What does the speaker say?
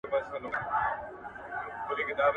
د ژوند حق د ټولو انسانانو دی.